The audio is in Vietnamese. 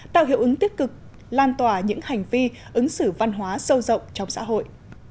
tạo hiệu ứng tích cực lan tỏa những hành vi ứng xử văn hóa sâu rộng trong xã hội